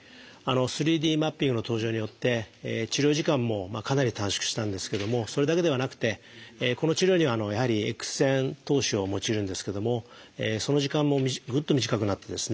３Ｄマッピングの登場によって治療時間もかなり短縮したんですけどもそれだけではなくてこの治療にはやはりエックス線透視を用いるんですけどもその時間もグッと短くなってですね